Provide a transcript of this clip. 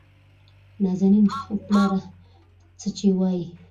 نازنين : پلاره څه چې وايې؟